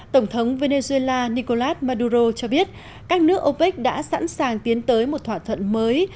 tổng thống venezuela nicolas maduro cho biết các nước opec đã sẵn sàng tiến tới một thỏa thuận mới